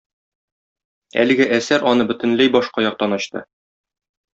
Әлеге әсәр аны бөтенләй башка яктан ачты.